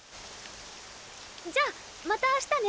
じゃあまたあしたね。